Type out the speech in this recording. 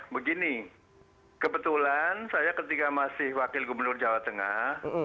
begini kebetulan saya ketika masih wakil gubernur jawa tengah